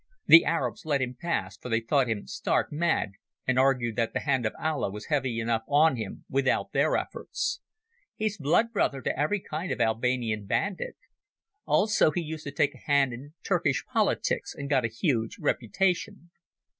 The Arabs let him pass, for they thought him stark mad and argued that the hand of Allah was heavy enough on him without their efforts. He's blood brother to every kind of Albanian bandit. Also he used to take a hand in Turkish politics, and got a huge reputation.